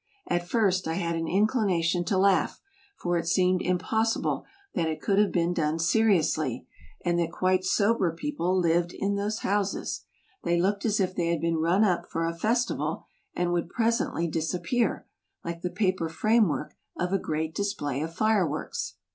At first I had an inclination to laugh, for it seemed impossible that it could have been done seriously, and that quite sober people lived in those houses. They looked as if they had been run up for a fes tival, and would presently disappear, like the paper frame work of a grand display of iice works.) j armsn